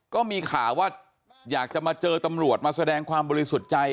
ก็มีข่าวว่าอยากจะมาเจอตำรวจมาแสดงความบริสุทธิ์ใจ